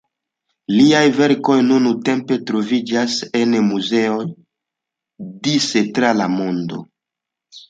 Liaj verkoj nuntempe troviĝas en muzeoj dise tra la mondo.